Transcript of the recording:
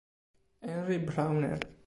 Henry Brauner